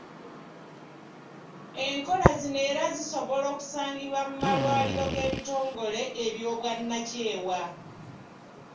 Enkola zino era zisobola okusangibwa mu malwaliro g’ebitongole eby'obwannakyewa.